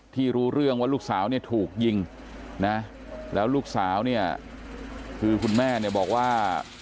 รู้เรื่องว่าลูกสาวเนี่ยถูกยิงนะแล้วลูกสาวเนี่ยคือคุณแม่เนี่ยบอกว่า